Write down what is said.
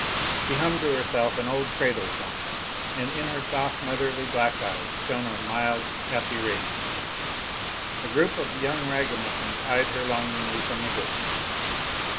She hummed to herself an old cradle song, and in her soft, motherly black eyes shone a mild, happy radiance. A group of young ragamuffins eyed her longingly from a distance.